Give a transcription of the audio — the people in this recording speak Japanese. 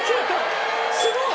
すごい！